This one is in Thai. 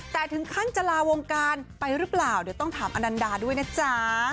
แต่ถึงขั้นจะลาวงการไปหรือเปล่าเดี๋ยวต้องถามอนันดาด้วยนะจ๊ะ